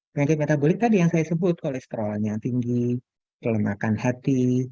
penyakit metabolik tadi yang saya sebut kolesterolnya tinggi kelemakan hati